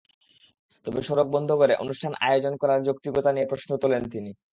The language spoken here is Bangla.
তবে সড়ক বন্ধ করে অনুষ্ঠান আয়োজন করার যৌক্তিকতা নিয়ে প্রশ্ন তোলেন তিনি।